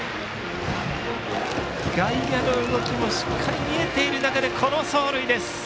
外野の動きもしっかり見えている中でこの走塁です！